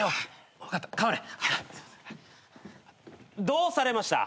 どうされました？